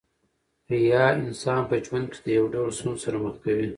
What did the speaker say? ریاء انسان په ژوند کښي د يو ډول ستونزو سره مخ کوي.